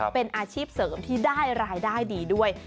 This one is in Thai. เป็นอาชีพเสริมที่ได้รายได้ดีด้วย